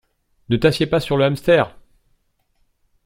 Ne t'assieds pas sur le hamster!